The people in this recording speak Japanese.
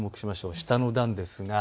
下の段です。